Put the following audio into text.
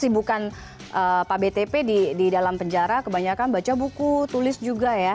bukan pak btp di dalam penjara kebanyakan baca buku tulis juga ya